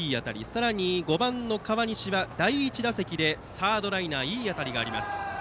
さらに、５番の河西は第１打席でサードライナーのいい当たりがありました。